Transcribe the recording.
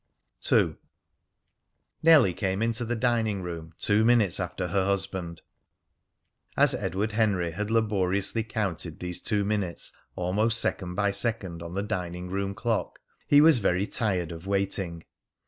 II. Nellie came into the dining room two minutes after her husband. As Edward Henry had laboriously counted these two minutes almost second by second on the dining room clock, he was very tired of waiting.